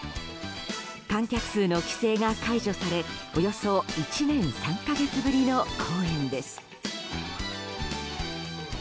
観客数の規制が解除されおよそ１年３か月ぶりの公演です。